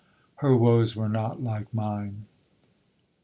—Her woes were not like mine!